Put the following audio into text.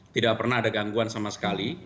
tidak pernah ada gangguan sama sekali